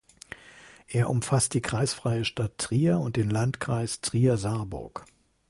Er umfasst die kreisfreie Stadt Trier und den Landkreis Trier-Saarburg.